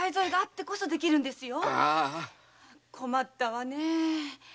困ったわねぇ。